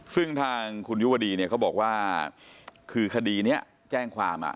ซึ่งทางคุณยุวดีเนี่ยเขาบอกว่าคือคดีนี้แจ้งความ